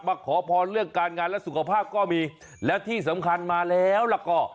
ขอพรเรื่องการงานและสุขภาพก็มีแล้วที่สำคัญมาแล้วล่ะก็